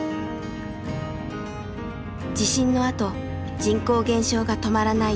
地震のあと人口減少が止まらない山古志。